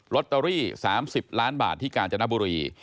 ตเตอรี่๓๐ล้านบาทที่กาญจนบุรี